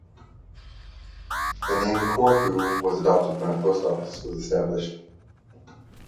The name "Corfu" was adopted when a post office was established.